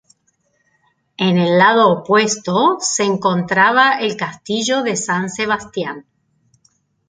En el lado opuesto se encontraba el castillo de San Sebastián.